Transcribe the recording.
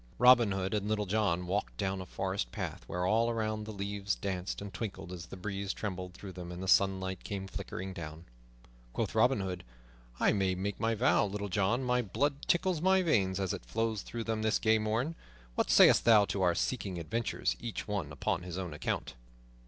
Robin Hood and Little John walked down a forest path where all around the leaves danced and twinkled as the breeze trembled through them and the sunlight came flickering down. Quoth Robin Hood, "I make my vow, Little John, my blood tickles my veins as it flows through them this gay morn. What sayst thou to our seeking adventures, each one upon his own account?"